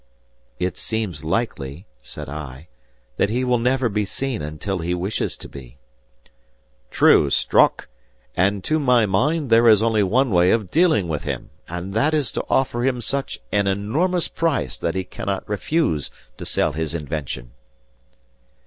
"It seems likely," said I, "that he will never be seen until he wishes to be." "True, Strock. And to my mind there is only one way of dealing with him, and that is to offer him such an enormous price that he cannot refuse to sell his invention."